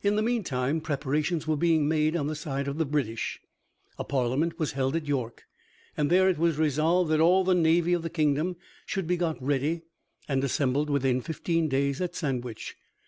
In the meantime preparations were being made on the side of the British. A parliament was held at York, and there it was resolved that all the navy of the kingdom should be got ready and assembled within fifteen days at Sandwich.